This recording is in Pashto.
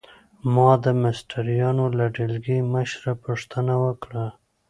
ما د مستریانو له ډلګۍ مشره پوښتنه وکړه.